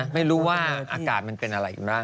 ไม่รู้ว่าอากาศมันเป็นอะไรหรือเปล่า